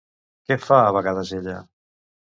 Què fa a vegades ella?